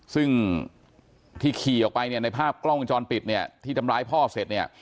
ซึ่งที่ขี่ออกไปเนี่ยในภาพกล้องวงจรปิดเนี่ยที่ทำร้ายพ่อเสร็จเนี่ย